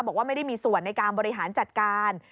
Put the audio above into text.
บอกว่าไม่ได้มีส่วนในการบริหารจัดการ